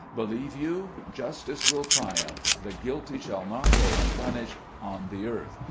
Believe you, justice will triumph, the guilty shall not go unpunished on the earth!